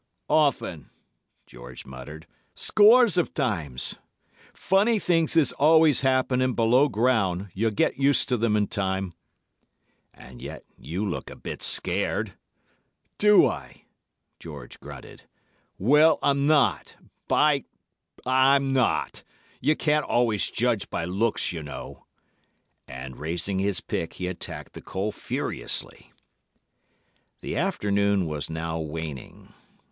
"'Often,' George muttered. 'Scores of times. Funny things is always happening below ground; you'll get used to them in time.' "'And yet you look a bit scared.' "'Do I?' George grunted. 'Well, I'm not. By ——, I'm not. You can't always judge by looks, you know.' And, raising his pick, he attacked the coal furiously. "The afternoon was now waning.